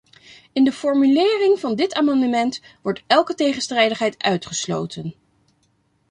In de formulering van dit amendement wordt elke tegenstrijdigheid uitgesloten.